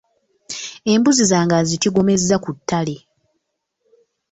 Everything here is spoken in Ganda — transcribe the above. Embuzi zange azitigomeza ku ttale.